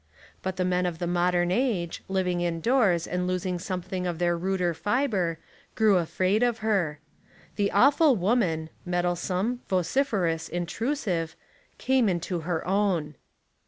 But the men of the modern age, living indoors and losing something of their ruder fibre, grew afraid of her. The Awful Woman, — meddlesome, vo ciferous, intrusive, — came into her own.